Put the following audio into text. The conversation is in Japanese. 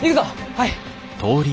はい！